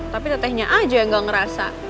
tapi tete nya aja yang gak ngerasa